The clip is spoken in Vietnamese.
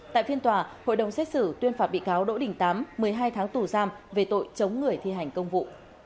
tại phiên tòa hội đồng xét xử tuyên phạt bị cáo đỗ đình tám một mươi hai tháng tù giam về tội chống người thi hành công vụ